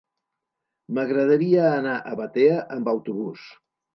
M'agradaria anar a Batea amb autobús.